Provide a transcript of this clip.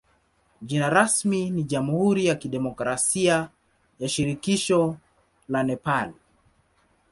Jina rasmi ni jamhuri ya kidemokrasia ya shirikisho la Nepal.